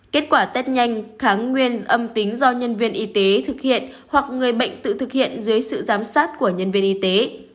kết quả test nhanh kháng nguyên âm tính do nhân viên y tế thực hiện hoặc người bệnh tự thực hiện dưới sự giám sát của nhân viên y tế